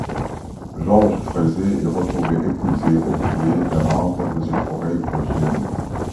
Georges Fréset est retrouvé épuisé au pied d'un arbre de cette forêt vosgienne.